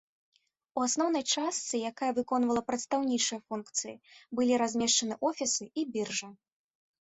У асноўнай частцы, якая выконвала прадстаўнічыя функцыі, былі размешчаны офісы і біржа.